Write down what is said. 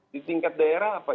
di tingkat daerah apa